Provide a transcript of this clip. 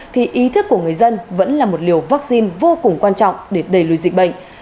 thì ý thức của người dân vẫn là một liều vaccine vô cùng quan trọng để đẩy lùi dịch bệnh